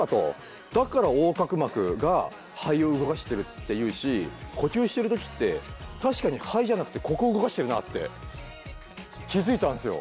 だから横隔膜が肺を動かしてるっていうし呼吸してる時って確かに肺じゃなくてここ動かしてるなって気付いたんですよ！